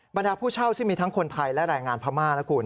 บรรดาผู้เช่าซึ่งมีทั้งคนไทยและแรงงานพม่านะคุณ